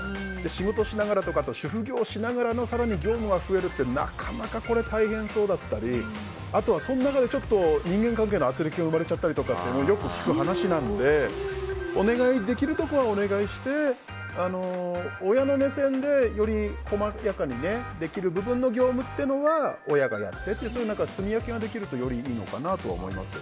仕事しながら主婦業をしながらの更に業務が増えるってなかなか大変そうだったりあとはその中で人間関係の軋轢が生まれちゃったりとかよく聞く話なのでお願いできるところはお願いして親の目線でより細やかにできる部分の業務というのは親がやってってそういう住み分けができるとよりいいのかなと思います。